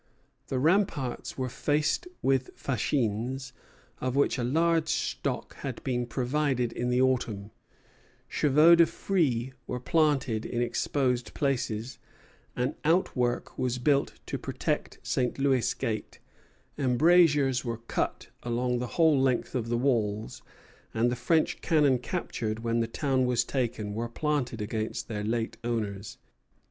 The ramparts were faced with fascines, of which a large stock had been provided in the autumn; chevaux de frise were planted in exposed places; an outwork was built to protect St. Louis Gate; embrasures were cut along the whole length of the walls; and the French cannon captured when the town was taken were planted against their late owners.